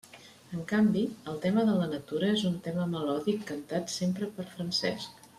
En canvi, el tema de la natura és un tema melòdic cantat sempre per Francesc.